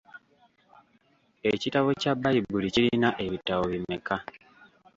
Ekitabo kya Bbayibuli kirina ebitabo bimeka?